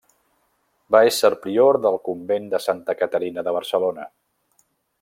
Va ésser prior del Convent de Santa Caterina de Barcelona.